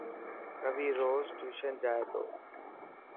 روي روز ٽيوشن جائي ٿو.